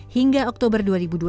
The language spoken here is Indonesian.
hingga oktober dua ribu dua puluh